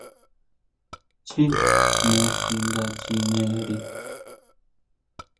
Chjí jmé xi nda chineri.